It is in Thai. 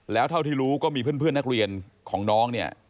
แล้วเท่าที่รู้ก็มีเพื่อนนักเรียนของน้องเนี่ย